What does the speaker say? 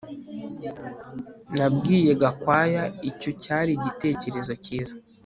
Nabwiye Gakwaya icyo cyari igitekerezo cyiza